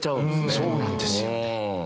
そうなんですよ。